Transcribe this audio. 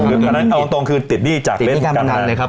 เอาตรงคือติดหนี้จากเล่นการบันดันติดหนี้การบันดันเลยครับ